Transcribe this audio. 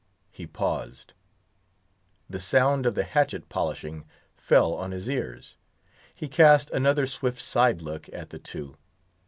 He paused. The sound of the hatchet polishing fell on his ears. He cast another swift side look at the two.